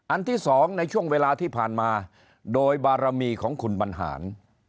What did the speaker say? ที่สองในช่วงเวลาที่ผ่านมาโดยบารมีของคุณบรรหาร